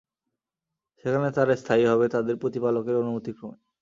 সেখানে তারা স্থায়ী হবে তাদের প্রতিপালকের অনুমতিক্রমে।